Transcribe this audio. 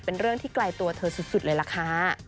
เป็นเรื่องที่ไกลตัวเธอสุดเลยล่ะค่ะ